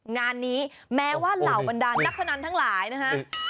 งานนี้แม้ว่าเหล่าบรรดานนักพนันทั้งหลายนะฮะ